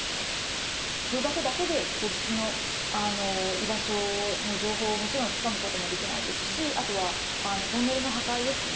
空爆だけで人質の居場所の情報をもちろんつかむこともできないですしあとはトンネルの破壊ですね。